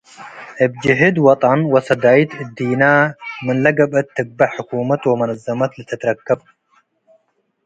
እብ ጅህድ ወጠን ወሰዳይት እዲነ ምን ለገብአት ትግበእ ሕኩመት ወመነዘመት ለልትረከብ